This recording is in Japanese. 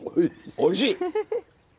おいしい！